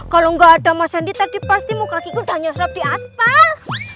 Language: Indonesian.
kalau gak ada mas andi tadi pasti muka gigi udah nyosrap di aspal